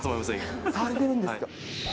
されてるんですか。